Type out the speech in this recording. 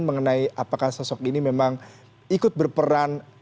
mengenai apakah sosok ini memang ikut berperan